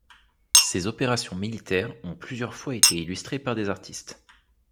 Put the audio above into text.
Ces opérations militaires ont plusieurs fois été illustrées par des artistes.